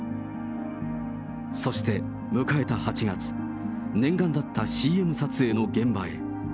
そして迎えた８月、念願だったＣＭ撮影の現場へ。